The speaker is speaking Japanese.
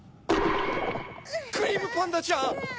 クリームパンダちゃん！